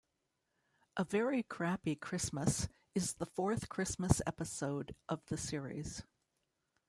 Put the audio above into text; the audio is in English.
"A Very Crappy Christmas" is the fourth Christmas episode of the series.